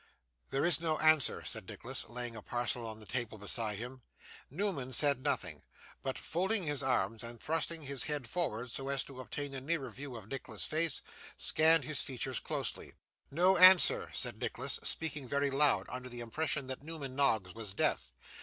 'There is no answer,' said Nicholas, laying the parcel on a table beside him. Newman said nothing, but folding his arms, and thrusting his head forward so as to obtain a nearer view of Nicholas's face, scanned his features closely. 'No answer,' said Nicholas, speaking very loud, under the impression that Newman Noggs was deaf.